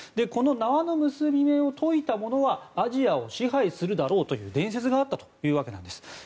この縄の結び目を解いたものはアジアを支配するだろうという伝説があったというわけなんです。